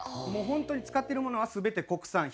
もうホントに使ってるものは全て国産。